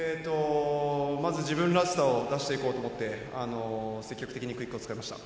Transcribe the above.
まず自分らしさを出していこうと思って積極的にクイックを使いました。